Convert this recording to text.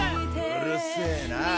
うるせぇな！